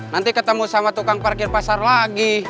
nanti ketemu sama tukang parkir pasar lagi